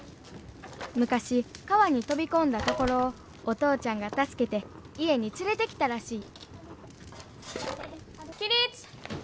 昔川に飛び込んだところをお父ちゃんが助けて家に連れてきたらしい起立！